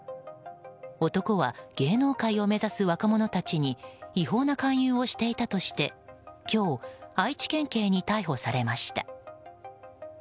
男は芸能界を目指す若者たちに違法な勧誘をしていたとして今日、愛知県警に逮捕されました。